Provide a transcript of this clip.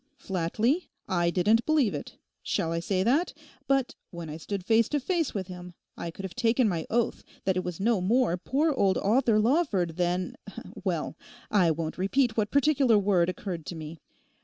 Flatly, I didn't believe it; shall I say that? But when I stood face to face with him, I could have taken my oath that that was no more poor old Arthur Lawford than—well, I won't repeat what particular word occurred to me.